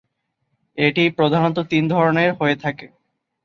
এটি প্রধানত তিন ধরনের য়ে থাকে।